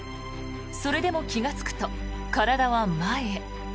それでも気がつくと体は前へ。